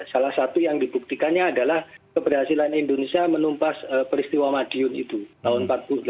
salah satu yang dibuktikannya adalah keberhasilan indonesia menumpas peristiwa madiun itu tahun seribu sembilan ratus empat puluh delapan